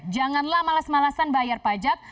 janganlah malas malasan bayar pajak